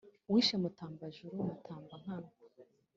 wishe mutamba-juru, mutamba-nkamwa